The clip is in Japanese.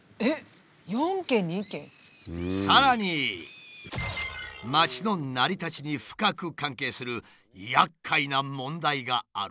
さらに町の成り立ちに深く関係するやっかいな問題があるという。